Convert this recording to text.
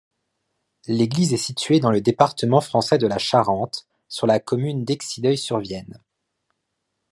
L'église est située dans le département français de la Charente, sur la commune d'Exideuil-sur-Vienne.